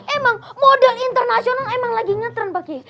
emang model internasional emang lagi ngetrend pak kiai